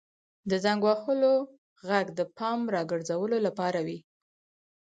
• د زنګ وهلو ږغ د پام راګرځولو لپاره وي.